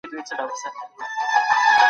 کله د کاپي رایټ قانون نقض کیږي؟